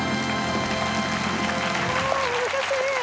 あ難しい！